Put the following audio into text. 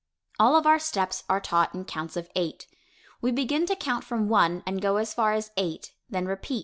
All of our steps are taught in counts of eight. We begin to count from one and go as far as eight, then repeat.